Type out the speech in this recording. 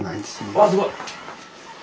あすごい。